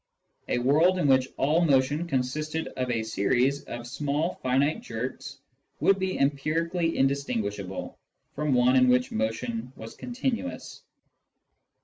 A world in which all motion consisted of a series of small finite jerks would be empirically indistinguishable from one in which motion was continuous.